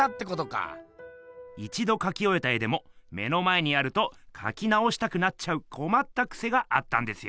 一どかきおえた絵でも目の前にあるとかきなおしたくなっちゃうこまったくせがあったんですよ。